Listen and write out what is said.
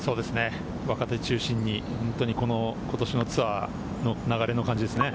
若手中心にことしのツアーの流れの感じですね。